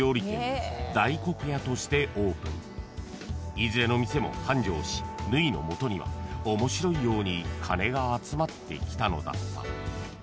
［いずれの店も繁盛し縫の元には面白いように金が集まってきたのだった］